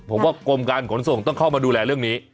ผมว่ากรมการขนส่งต้องเข้ามาดูแลเรื่องนี้